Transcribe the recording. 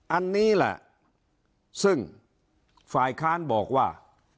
อันนี้แหละซึ่งฝ่ายค้านบอกว่า